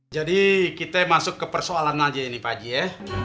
jadi kita masuk ke persoalan aja ini pak haji ya